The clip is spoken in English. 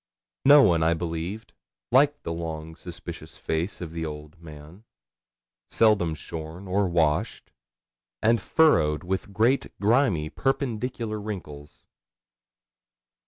No one, I believe, liked the long suspicious face of the old man, seldom shorn or washed, and furrowed with great, grimy perpendicular wrinkles.